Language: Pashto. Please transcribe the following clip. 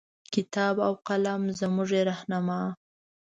کتاب او قلم زمونږه رهنما